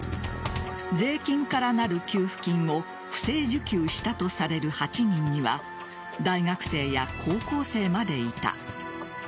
税金からなる給付金を不正受給したとされる８人には大学生や高校生までいた。